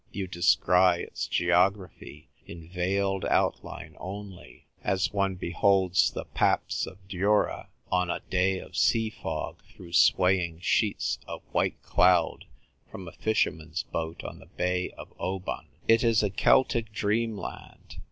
You descry its geography in veiled outline only, as one beholds the Paps of Jura on a day of sea fog through swaying sheets of white cloud from a fisherman's boat on the Bay of Oban. It is a Celtic dreamland.